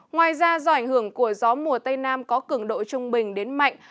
ngoài ra do ảnh hưởng của gió mùa tây nam có cường độ trung bình đến mạnh